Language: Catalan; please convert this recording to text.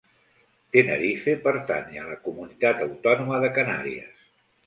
Tenerife pertany a la comunitat autònoma de Canàries.